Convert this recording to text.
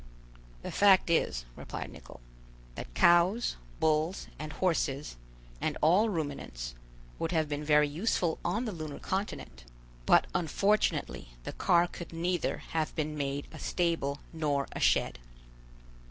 "The fact is," replied Nicholl, "that cows, bulls, and horses, and all ruminants, would have been very useful on the lunar continent, but unfortunately the car could neither have been made a stable nor a shed."